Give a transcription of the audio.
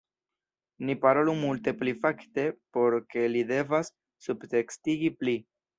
Ni parolu multe pli fakte por ke li devas subtekstigi pli